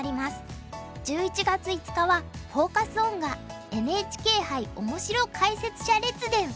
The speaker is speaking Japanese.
１１月５日はフォーカス・オンが「ＮＨＫ杯オモシロ解説者列伝」。